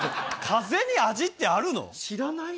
風に味ってあるの？